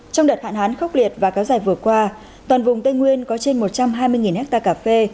trong đợt hạn hán khốc liệt và kéo dài vừa qua toàn vùng tây nguyên có trên một trăm hai mươi hectare cà phê